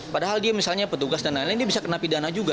padahal dia misalnya petugas dan lain lain dia bisa kena pidana juga